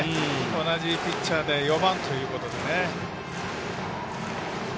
同じピッチャーで４番ということで。